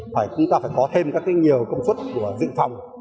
thì chúng ta phải có thêm các cái nhiều công suất của dự phòng